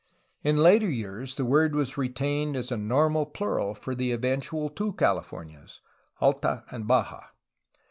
In later years the word was retained as a normal plural for the eventual tw^o Calif ornias, Alta and Baja.